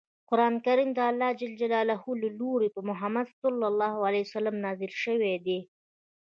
قران کریم دالله ج له لوری په محمد ص نازل شوی دی.